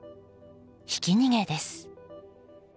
ひき逃げです。